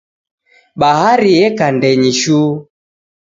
Bahari yeka ndenyi shuu.